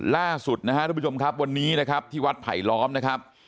ล่าสุดนะครับทุกผู้ชมครับวันนี้นะครับที่วัดไผลล้อมนะครับ